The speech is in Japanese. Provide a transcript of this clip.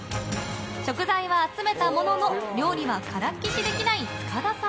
食材は集めたものの、料理はからっきしできない塚田さん。